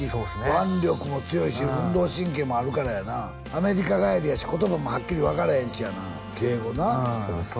腕力も強いし運動神経もあるからやなアメリカ帰りやし言葉もはっきり分からへんしやな敬語なそうですね